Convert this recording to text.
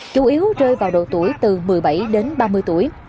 chủ yếu rơi vào độ tuổi từ một mươi bảy đến ba mươi tuổi